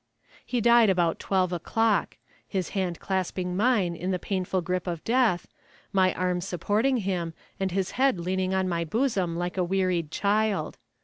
He died about twelve o'clock his hand clasping mine in the painful grip of death, my arm supporting him, and his head leaning on my bosom like a wearied child.